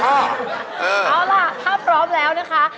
เอาล่ะถ้าพร้อมแล้วนะคะ